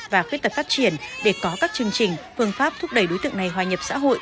và khuyết tật phát triển để có các chương trình phương pháp thúc đẩy đối tượng này hòa nhập xã hội